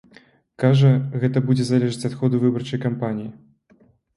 Кажа, гэта будзе залежаць ад ходу выбарчай кампаніі.